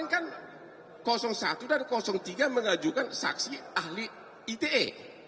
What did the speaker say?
karena satu dan tiga mengajukan saksi ahli ite